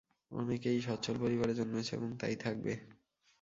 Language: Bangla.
অনেকেই স্বচ্ছল পরিবারে জন্মেছো এবং তাই থাকবে।